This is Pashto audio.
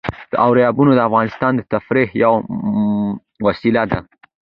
دریابونه د افغانانو د تفریح یوه وسیله ده.